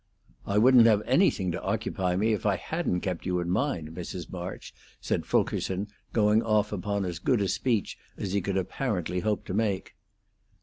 "I wouldn't have anything to occupy me if I hadn't kept you in mind, Mrs. March," said Fulkerson, going off upon as good a speech as he could apparently hope to make.